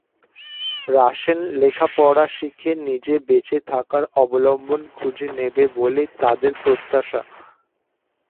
Russell লেখাপড়া শিখে নিজে বেঁচে থাকার অবলম্বন খুঁজে নেবে বলে তাঁদের প্রত্যাশা।